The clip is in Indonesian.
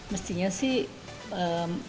mestinya sih bisnis makanan sehat itu akan lebih mahal